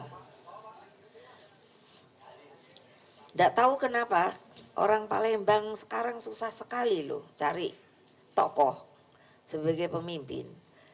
tidak tahu kenapa orang palembang sekarang susah sekali loh cari tokoh sebagai pemimpin